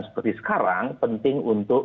seperti sekarang penting untuk